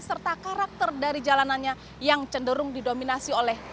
serta karakter dari jalanannya yang cenderung didominasi oleh